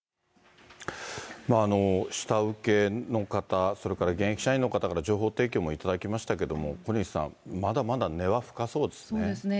下請けの方、それから現役社員の方から情報提供もいただきましたけれども、小西さん、まだまだ根は深そうですね。